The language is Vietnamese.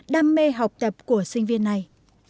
đam mê học tập của sinh viên này